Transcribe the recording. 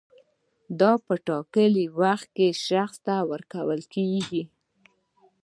دا په ټاکلي وخت کې شخص ته ورکول کیږي.